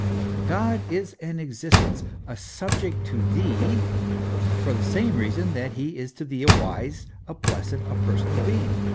God is an existence, a subject to thee, for the same reason that he is to thee a wise, a blessed, a per sonal being.